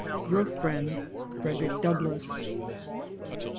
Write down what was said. Your friend, FREDERICK DOUGLASS.